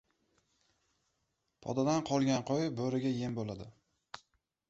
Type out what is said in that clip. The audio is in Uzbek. • Podadan qolgan qo‘y, bo‘riga yem bo‘ladi.